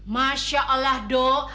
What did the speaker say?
masya allah doh